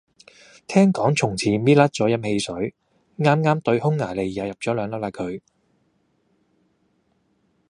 聽講從此搣甩咗飲汽水，啱啱對匈牙利又入兩粒嘞佢